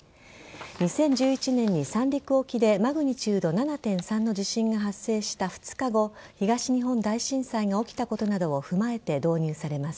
２０１１年に三陸沖でマグニチュード７．３の地震が発生した２日後東日本大震災が起きたことなどを踏まえて導入されます。